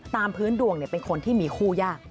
ตามพื้นดวงเป็นคนที่มีคู่ยาก